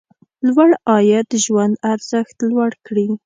لوړ عاید ژوند ارزښت لوړ کړي.